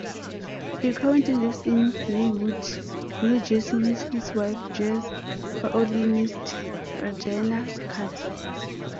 He currently lives in Maywood, New Jersey with his wife, jazz violinist Regina Carter.